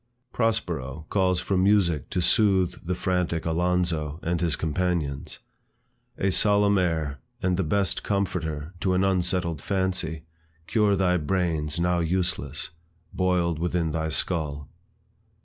Prospero calls for music to soothe the frantic Alonzo, and his companions; A solemn air, and the best comforter To an unsettled fancy, cure thy brains Now useless, boiled within thy skull.